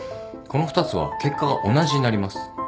この２つは結果が同じになります。